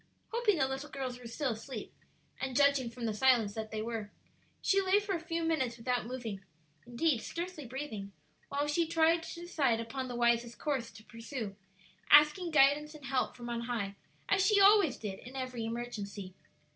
Hoping the little girls were still asleep, and judging from the silence that they were, she lay for a few minutes without moving, indeed scarcely breathing, while she tried to decide upon the wisest course to pursue, asking guidance and help from on high, as she always did in every emergency.